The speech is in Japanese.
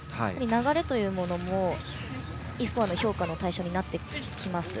流れというものもＥスコアの評価の対象になってきます。